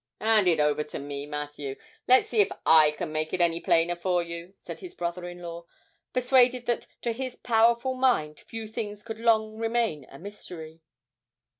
''And it over to me, Matthew; let's see if I can make it any plainer for you,' said his brother in law, persuaded that to his powerful mind few things could long remain a mystery.